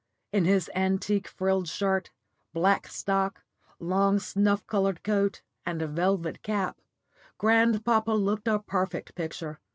In his antique frilled shirt, black stock, long snuff coloured coat, and velvet cap, grandpapa looked a perfect picture.